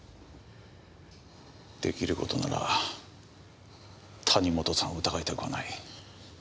出来る事なら谷本さんを疑いたくはない。